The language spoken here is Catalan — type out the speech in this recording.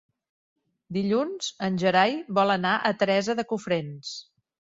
Dilluns en Gerai vol anar a Teresa de Cofrents.